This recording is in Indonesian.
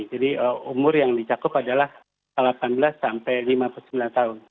jadi umur yang dicakup adalah delapan belas lima puluh sembilan tahun